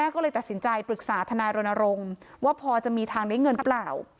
ก็ตัดสินใจปรึกษาธนาโรนโรงว่าพอจะมีทางได้เงินหรือเปล่า